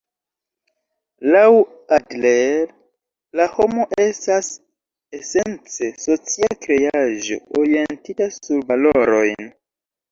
Laŭ Adler la homo estas esence socia kreaĵo, orientita sur valorojn.